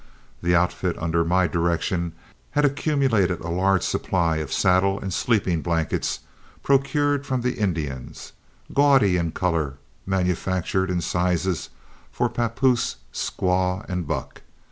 The outfits under my direction had accumulated a large supply of saddle and sleeping blankets procured from the Indians, gaudy in color, manufactured in sizes for papoose, squaw, and buck.